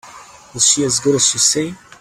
Is she as good as you say?